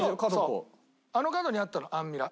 あの角にあったのアンミラ。